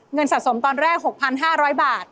สะสมตอนแรก๖๕๐๐บาท